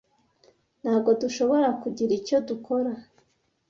Ntabwo dushobora kugira icyo dukora